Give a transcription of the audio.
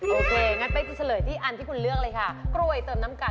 โอเคงั้นไปเฉลยที่อันที่คุณเลือกเลยค่ะ